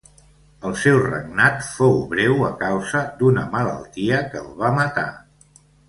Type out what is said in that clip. El seu regnat fou breu a causa d'una malaltia que el va matar.